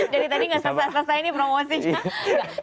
dari tadi tidak selesai selesai ini promosinya